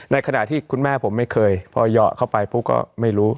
ในขณะที่คุณแม่ผมไม่เคยพอเหยาะเข้าไปปุ๊บก็ไม่รู้